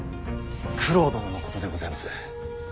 九郎殿のことでございます。